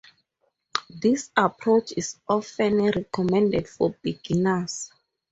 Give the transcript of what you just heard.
This approach is often recommended for beginners.